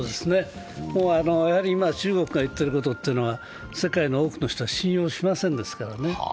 やはり今、中国が言ってることは世界の多くの人は信用しませんからね。